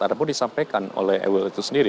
ada pun disampaikan oleh ewel itu sendiri